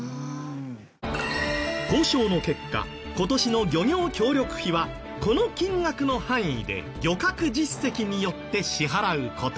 交渉の結果今年の漁業協力費はこの金額の範囲で漁獲実績によって支払う事に。